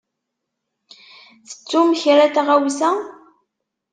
Tettum kra n tɣawsa?